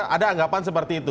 ada anggapan seperti itu